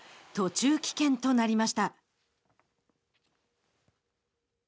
途中棄権となりました。